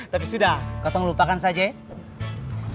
tapi sudah kalau lo lupakan saja ya